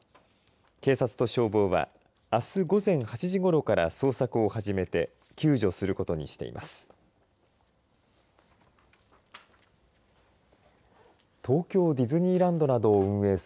警察と消防はあす午前８時ごろから捜索を始めて救助することにしています。